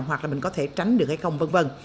hoặc là mình có thể tránh được hay không v v